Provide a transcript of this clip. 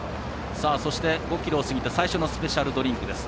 そして、５ｋｍを過ぎて最初のスペシャルドリンクです。